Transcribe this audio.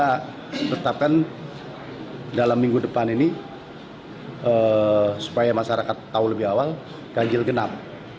kita tetapkan dalam minggu depan ini supaya masyarakat tahu lebih awal ganjil genap